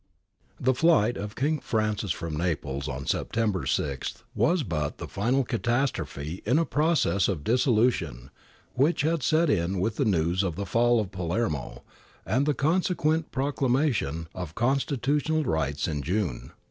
The flight of King Francis from Naples on September 6 was but the final catastrophe in a process of dissolution which had set in with the news of the fall of Palermo and the consequent proclamation of constitutional rights in June.